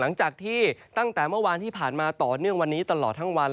หลังจากที่ตั้งแต่เมื่อวานที่ผ่านมาต่อเนื่องวันนี้ตลอดทั้งวัน